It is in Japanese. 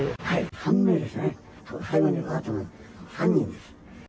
３人です。